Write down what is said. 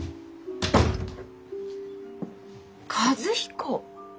和彦。